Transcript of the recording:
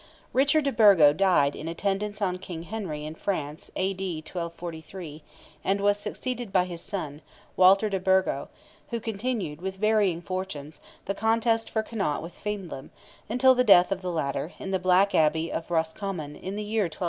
Richard de Burgo died in attendance on King Henry in France (A.D. 1243), and was succeeded by his son, Walter de Burgo, who continued, with varying fortunes, the contest for Connaught with Feidlim, until the death of the latter, in the Black Abbey of Roscommon, in the year 1265.